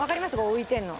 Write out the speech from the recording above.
浮いてるの。